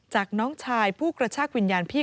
น้องชายผู้กระชากวิญญาณพี่